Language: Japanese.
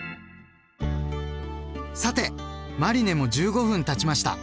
さてマリネも１５分たちました。